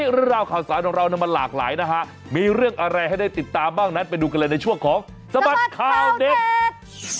เรื่องราวข่าวสารของเราน้องมาหลากหลายมีเรื่องอะไรให้ได้ติดตามมาดูกันในช่วงของสมัตย์ข่าวเด็ด